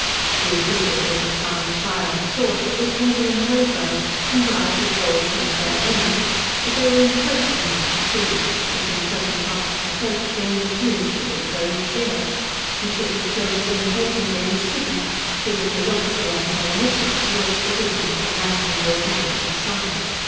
These people did not come with fire and sword, but with cable and telephone, and bribes of gold and fair women, but they were encroaching like the sea, which, in certain parts of the coast, gained a few inches or so each year. He shook his shoulders impatiently, and stiffened, feeling illogically antagonistic towards the good natured, lantern jawed man at his side.